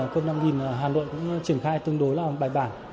cơm năm hà nội cũng triển khai tương đối bài bản